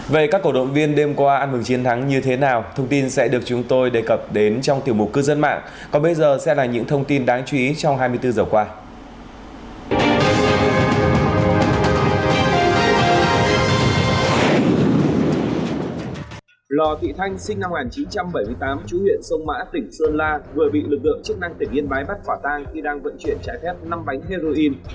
vừa bị lực lượng chức năng tỉnh yên bái bắt quả tang khi đang vận chuyển trái phép năm bánh heroin